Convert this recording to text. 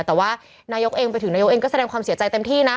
แต่ว่านายกเองไปถึงนายกเองก็แสดงความเสียใจเต็มที่นะ